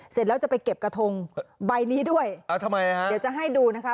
เสร็จแล้วจะไปเก็บกระทงใบนี้ด้วยอ่าทำไมฮะเดี๋ยวจะให้ดูนะคะ